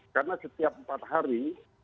karena setiap empat hari